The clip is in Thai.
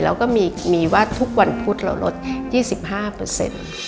แล้วก็มีว่าทุกวันพุธเราลด๒๕เปอร์เซ็นต์